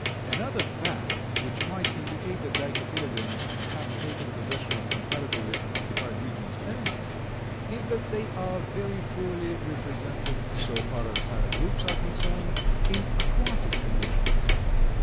Another fact, which might indicate that the Dicotyledons have taken possession of comparatively unoccupied regions only, is that they are very poorly represented, so far as higher groups are concerned, in aquatic conditions.